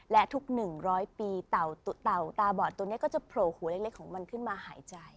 และทุก๑๐๐ปีเต่าตาบอดตัวนี้ก็จะโผล่หัวเล็กของมันขึ้นมาหายใจ